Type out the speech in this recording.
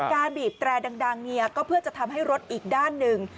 บีบแตรดังเนี่ยก็เพื่อจะทำให้รถอีกด้านหนึ่ง